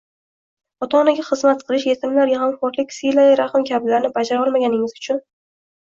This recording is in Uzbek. ota-onaga xizmat qilish, yetimlarga g‘amxo‘rlik, silai rahm kabilarni bajara olmaganingiz uchun